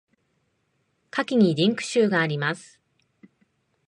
下記にリンク集があります。